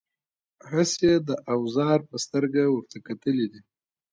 هسې د اوزار په سترګه ورته کتلي دي.